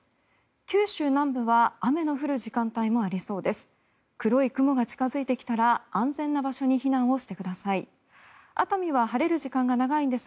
九州南部は雨の降る時間帯もありそうです。